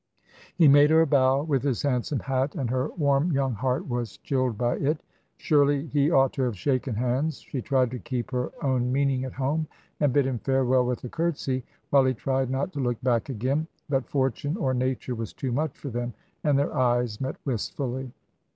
He made her a bow with his handsome hat, and her warm young heart was chilled by it. Surely he ought to have shaken hands. She tried to keep her own meaning at home, and bid him farewell with a curtsy, while he tried not to look back again; but fortune or nature was too much for them, and their eyes met wistfully.